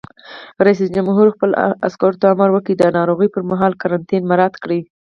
رئیس جمهور خپلو عسکرو ته امر وکړ؛ د ناروغۍ پر مهال قرنطین مراعات کړئ!